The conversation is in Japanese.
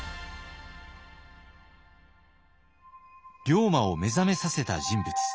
龍馬を目覚めさせた人物。